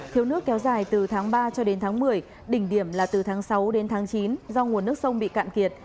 thiếu nước kéo dài từ tháng ba cho đến tháng một mươi đỉnh điểm là từ tháng sáu đến tháng chín do nguồn nước sông bị cạn kiệt